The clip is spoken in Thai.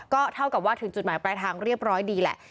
ก็เท่ากับว่าถึงจุดหมายปลายทางเรียบร้อยดีแหละ